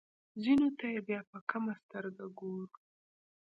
ځینو ته یې بیا په کمه سترګه ګورو.